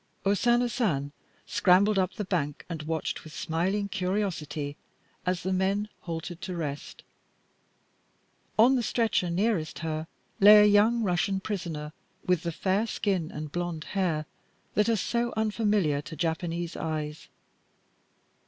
O Sana San scrambled up the bank and watched with smiling curiosity as the men halted to rest. On the stretcher nearest her lay a young Russian prisoner with the fair skin and blond hair that are so unfamiliar to Japanese eyes.